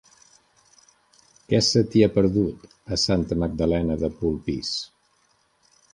Què se t'hi ha perdut, a Santa Magdalena de Polpís?